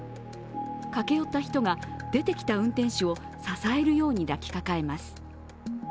駆け寄った人が出てきた運転手を支えるように抱きかかえます。